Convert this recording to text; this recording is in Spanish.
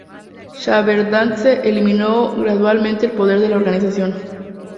Shevardnadze limitó gradualmente el poder de la organización.